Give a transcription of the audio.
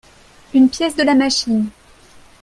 Une pièce de la machine.